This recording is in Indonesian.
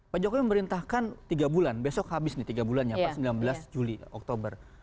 pak jokowi memerintahkan tiga bulan besok habis nih tiga bulan ya pak sembilan belas juli oktober